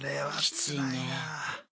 きついね。